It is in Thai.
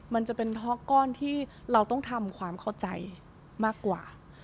มันจะเป็นฮอกก้อนที่เราต้องทำความเข้าใจมากกว่า